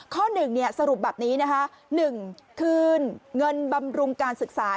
ข้อ๑สรุปแบบนี้นะคะ๑คืนเงินบำรุงการศึกษา